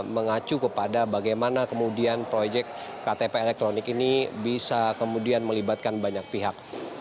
mengacu kepada bagaimana kemudian proyek ktp elektronik ini bisa kemudian melibatkan banyak pihak